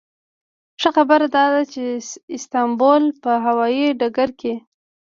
ښه خبره داده چې د استانبول په هوایي ډګر کې.